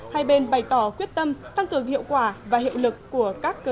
hai bên bày tỏ quyết tâm thăng cường hiệu quả và hiệu lực